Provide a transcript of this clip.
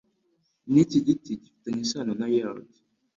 Niki giti gifitanye isano na Yard